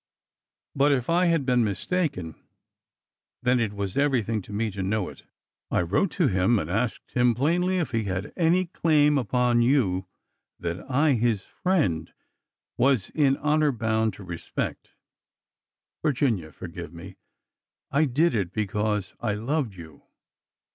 | But if I had been mistaken— then it was everything to me | to know it. I wrote to him and asked him plainly if he | had any claim upon you that I, his friend, was in honor ^ bound to respect. Virginia, forgive me ! I did it because I I loved you.